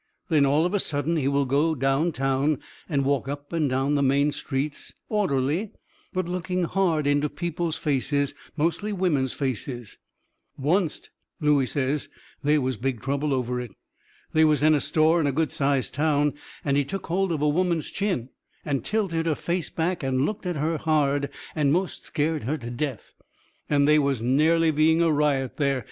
Then all of a sudden he will go down town and walk up and down the main streets, orderly, but looking hard into people's faces, mostly women's faces. Oncet, Looey says, they was big trouble over it. They was in a store in a good sized town, and he took hold of a woman's chin, and tilted her face back, and looked at her hard, and most scared her to death, and they was nearly being a riot there.